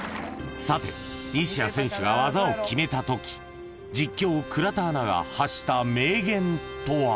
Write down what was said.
［さて西矢選手が技を決めたとき実況倉田アナが発した名言とは？］